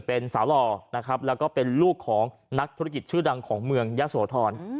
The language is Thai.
เป็นสาวหล่อนะครับแล้วก็เป็นลูกของนักธุรกิจชื่อดังของเมืองยะโสธร